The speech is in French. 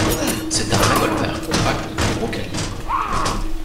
C'est un revolver compact de gros calibre.